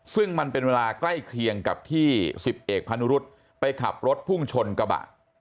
ซึ่งมันเป็นเวลาใกล้เคียงกับที่๑๐เอกพานุรุษไปขับรถพุ่งชนกระบะ